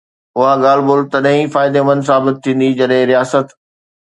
اها ڳالهه ٻولهه تڏهن ئي فائديمند ثابت ٿيندي جڏهن رياست